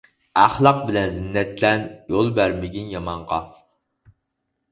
ئەخلاق بىلەن زىننەتلەن، يول بەرمىگىن يامانغا.